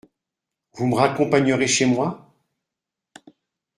Vous me raccompagnerez chez moi ?